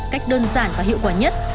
cách đơn giản và hiệu quả nhất